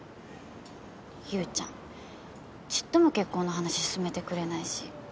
優ちゃんちっとも結婚の話進めてくれないし。